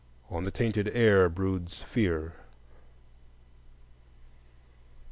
On the tainted air broods fear.